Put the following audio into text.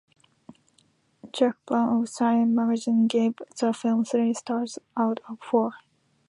Chuck Bowen of "Slant Magazine" gave the film three stars out of four.